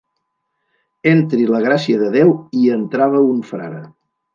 Entri la gràcia de Déu. I entrava un frare.